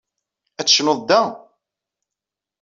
Ad tecnuḍ da?